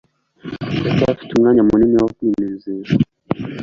Ndacyafite umwanya munini wo kwinezeza.